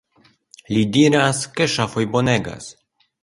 Li diras ke ŝafoj bonegas.